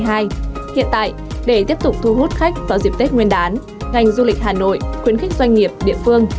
hiện tại để tiếp tục thu hút khách vào dịp tết nguyên đán ngành du lịch hà nội khuyến khích doanh nghiệp địa phương